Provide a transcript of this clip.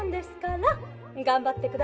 がんばってくださいな。